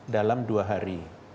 dalam dua hari